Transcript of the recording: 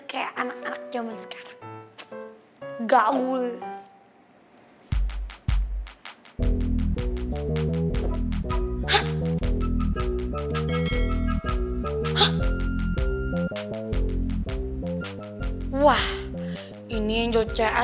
hai ini pelajaran ada selesai selesainya ya